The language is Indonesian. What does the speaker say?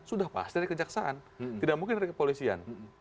sudah pasti dari kejaksaan tidak mungkin dari kepolisian